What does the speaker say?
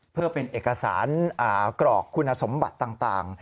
เพื่อเป็นเอกสารกรอกคุณสมบัติต่าง